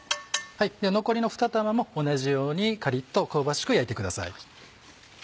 残りのふた玉も同じようにカリっと香ばしく焼いてください。